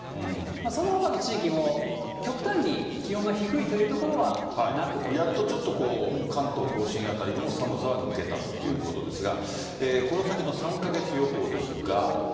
そのほかの地域も極端に気温が低いという所はなくといったところちょっと関東甲信辺りも寒さは抜けたということですが、この先の３か月予報ですが。